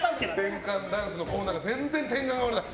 転換ダンスのコーナーで全然、転換が終わらない。